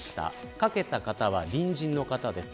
かけた方は隣人の方です。